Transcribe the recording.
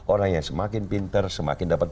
orang yang semakin pinter semakin dapat